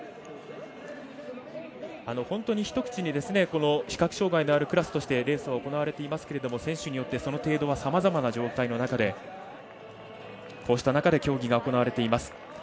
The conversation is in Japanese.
本当に一口に視覚障がいのあるクラスとしてレースは行われていますけれども選手によって、その程度はさまざまな状態の中で競技が行われています。